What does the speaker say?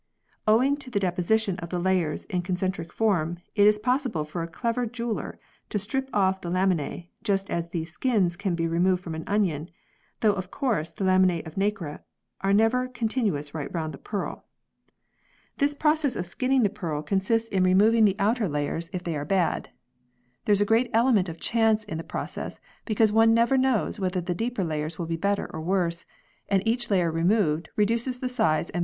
Owing to the deposition of the layers in con centric form, it is possible for a clever jeweller to strip off the laminae, just as the "skins" can be removed from an onion, though of course the laminae of nacre are never continuous right round a pearl. This process of skinning the pearl consists in PEARLS 59 removing the outer layers, if they are bad. There is a great element of chance in the process, because one never knows whether the deeper layers will be better or worse, and each layer removed reduces the size and value of the pearl.